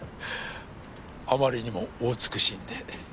あまりにもお美しいんで。